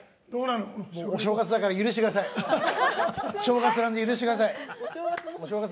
お正月なので許してください。